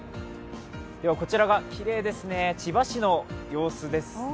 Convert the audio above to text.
こちらが、きれいですね、千葉市の様子です。